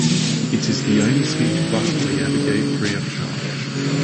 It is the only speech Buckley ever gave free of charge.